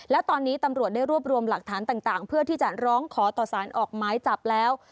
และตอนนี้ตำรวจได้รวบรวมหลักฐานต่างเพื่อที่จะร้องขอต่อสารออกหมายจับแล้ว